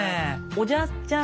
おじゃすちゃん